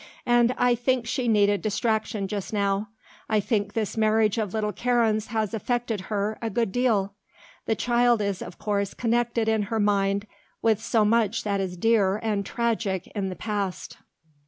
And I think she needed distraction just now, I think this marriage of little Karen's has affected her a good deal. The child is of course connected in her mind with so much that is dear and tragic in the past."